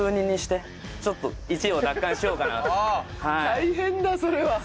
大変だそれは。